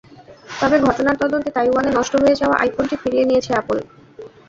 তবে ঘটনার তদন্তে তাইওয়ানে নষ্ট হয়ে যাওয়া আইফোনটি ফিরিয়ে নিয়েছে অ্যাপল।